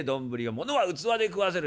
ものは器で食わせる。